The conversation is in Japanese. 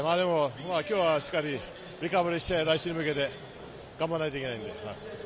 きょうはしっかりリカバリーして、来週に向けて頑張らなきゃいけない。